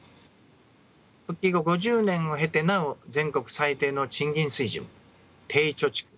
復帰後５０年を経てなお全国最低の賃金水準低貯蓄